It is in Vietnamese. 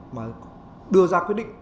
mà đưa ra quyết định